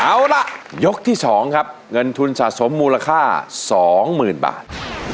เอ่าระยกที่๒ครับเงินทุนสะสมมูลค่าสองหมื่นบาท